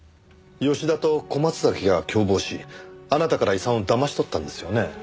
吉田と小松崎が共謀しあなたから遺産をだまし取ったんですよね？